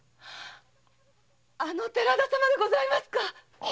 あの寺田様にございますか。